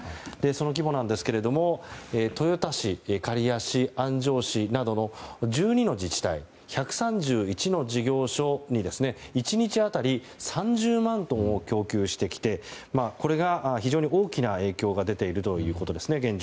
その規模ですが、豊田市刈谷市、安城市などの１２の自治体、１３１の事業所に１日当たり３０万トンを供給してきてこれが現状、非常に大きな影響が出ているということです。